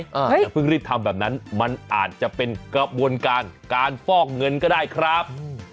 อย่าเพิ่งรีบทำแบบนั้นมันอาจจะเป็นกระบวนการการฟอกเงินก็ได้ครับ